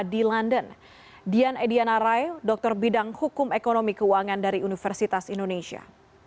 di london dian ediana rai dokter bidang hukum ekonomi keuangan dari universitas indonesia